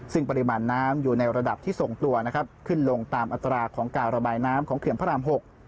ซึ่งปริมาณน้ำอยู่ในระดับที่ส่งตัวนะครับขึ้นลงตามอัตราของการระบายน้ำของเขื่อนพระราม๖